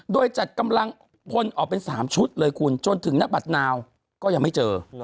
โดยจัดกำลังพลออกเป็น๓ชุดเลยคุณจนถึงนักบัตรนาวก็ยังไม่เจอ